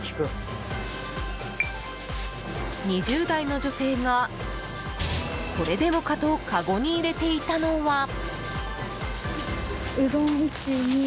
２０代の女性が、これでもかとかごに入れていたのは。